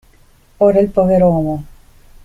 Ora il poveromo.